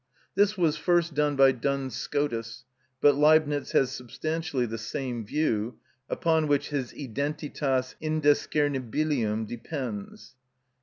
This was first done by Duns Scotus, but Leibnitz has substantially the same view, upon which his "Identitas Indiscernibilium" depends.